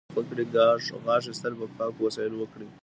غاښ ایستل په پاکو وسایلو وکړئ.